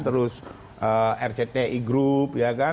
terus rcti group ya kan